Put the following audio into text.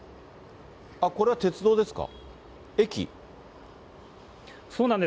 これは鉄道ですか？